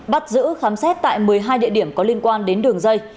bắt giữ khám xét tại một mươi hai địa điểm có liên quan đến đường dây